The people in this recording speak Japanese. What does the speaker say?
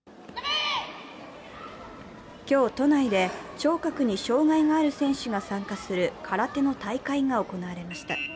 今日、都内で聴覚に障害がある選手が参加する空手の大会が行われました。